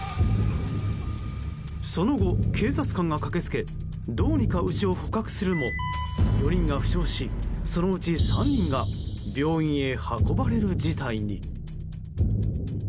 その後、警察官が駆け付けどうにか牛を捕獲するも４人が負傷し、そのうち３人が病院へ運ばれる事態に。